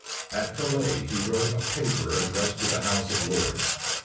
At Calais he wrote a paper addressed to the house of lords.